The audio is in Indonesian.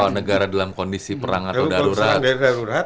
kalau negara dalam kondisi perang atau darurat